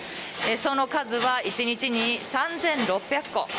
その数は１日に３６００個。